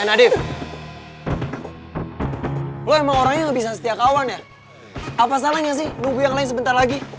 nadie lo emang orangnya bisa setiakawan ya apa salahnya sih nunggu yang lain sebentar lagi